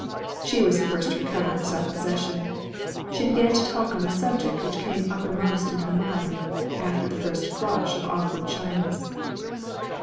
She was the first to recover her self possession. She began to talk on the subject which came uppermost in her mind, after the first flush of awkward shyness.